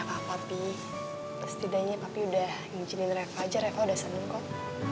gapapa papi setidaknya papi udah ngijinin reva aja reva udah seneng kok